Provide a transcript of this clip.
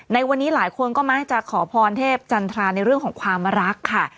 ในวันนี้หลายคนก็มักจะขอพรเทพจันทราในเรื่องของความรักค่ะ